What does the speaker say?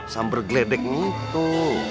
sambar geledek gitu